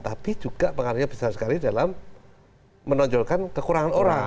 tapi juga pengaruhnya besar sekali dalam menonjolkan kekurangan orang